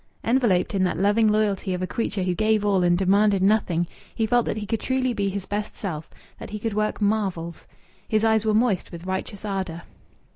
Enveloped in that loving loyalty of a creature who gave all and demanded nothing, he felt that he could truly be his best self, that he could work marvels. His eyes were moist with righteous ardour.